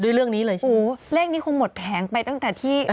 เรื่องนี้เลยโอ้โหเลขนี้คงหมดแผงไปตั้งแต่ที่